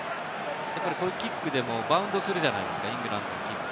キックでもバウンドするじゃないですか、イングランドのキック。